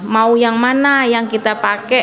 mau yang mana yang kita pakai